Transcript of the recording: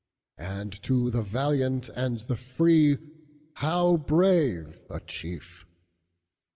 And to the valiant and the freeHow brave a chief!